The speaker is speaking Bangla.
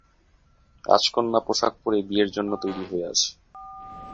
রাজকন্যা পোশাক পরে বিয়ের জন্য তৈরি হয়ে আছে।